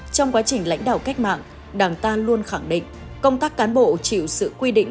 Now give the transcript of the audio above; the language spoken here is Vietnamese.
trong quá trình lãnh đạo cách mạng đảng ta luôn khẳng định công tác cán bộ chịu sự quy định